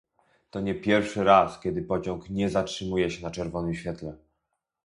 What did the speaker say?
To nie pierwszy raz, kiedy pociąg nie zatrzymuje się na czerwonym świetle